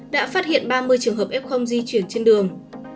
đã phát hiện ba mươi trường hợp f di chuyển trên đường